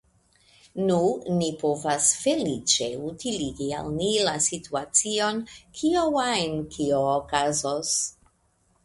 Nu, ni povas feliĉe utiligi al ni la situacion, kio ajn kio okazos.